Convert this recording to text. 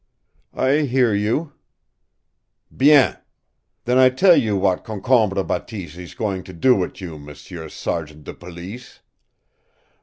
"I hear you." "BIEN! Then I tell you w'at Concombre Bateese ees goin' do wit' you, M'sieu Sergent de Police!